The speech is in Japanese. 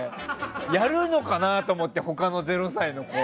やるのかなって思って他の０歳の子。